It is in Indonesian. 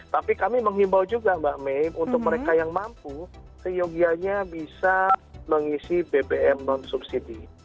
tapi kami menghimbau juga mbak may untuk mereka yang mampu seyogianya bisa mengisi bbm non subsidi